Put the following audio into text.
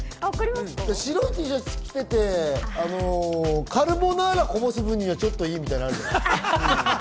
白いＴシャツ着ていて、カルボナーラをこぼすぶんには、ちょっといいみたいなのってある。